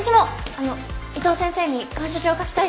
あの伊藤先生に感謝状書きたいです。